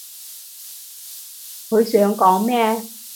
佢想講咩？